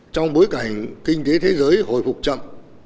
trong bối cảnh kinh tế thế giới hồi phục chậm